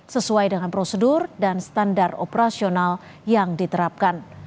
sesuai dengan prosedur dan standar operasional yang diterapkan